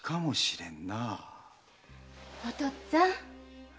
お父っつぁん。